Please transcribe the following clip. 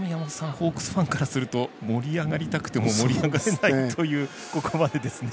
ホークスファンからすると盛り上がりたくても盛り上げれないというここまでですね。